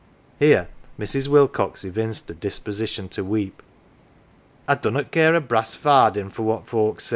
Here Mrs. Wilcox evinced a disposition to weep. " I dunnot care a brass farden for what folks say